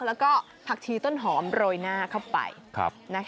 แล้วก็ผักชีต้นหอมโรยหน้าเข้าไป